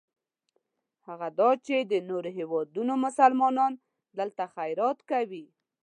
هغه دا چې د نورو هېوادونو مسلمانان دلته خیرات کوي.